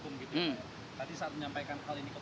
mengundur karena ada masalah di proses hukum